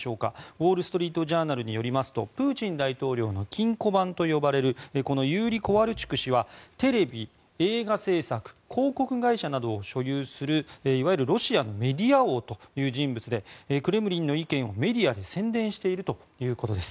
ウォール・ストリート・ジャーナルによりますとプーチン大統領の金庫番と呼ばれるユーリ・コワルチュク氏はテレビ、映画制作広告会社などを所有するいわゆるロシアのメディア王という人物でクレムリンの意見をメディアで宣伝しているということです。